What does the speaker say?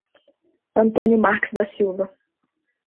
Antônio Marques da Silva